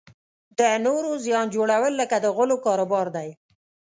د نورو زیان جوړول لکه د غولو کاروبار دی.